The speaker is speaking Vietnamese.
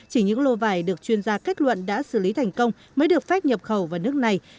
chỉ những lô vải được chuyên gia kết luận đã xử lý thành công mới được phép nhập khẩu vào nước này